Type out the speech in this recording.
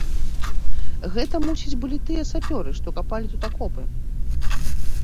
Гэта, мусіць, былі тыя сапёры, што капалі тут акопы.